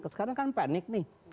sekarang kan panik nih